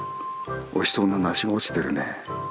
おいしそうな梨が落ちてるね。